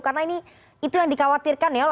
karena ini itu yang dikhawatirkan ya